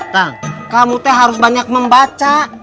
tang kamu teh harus banyak membaca